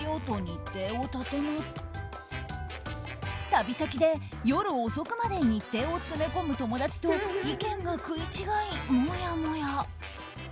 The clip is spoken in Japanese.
旅先で夜遅くまで日程を詰め込む友達と意見が食い違い、もやもや。